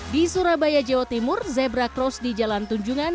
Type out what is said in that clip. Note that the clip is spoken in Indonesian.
di surabaya jawa timur zebra cross di jalan tunjungan